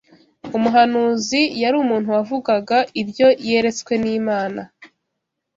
umuhanuzi yari umuntu wavugaga ibyo yeretswe n’Imana